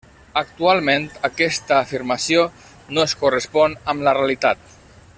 Actualment, aquesta afirmació no es correspon amb la realitat.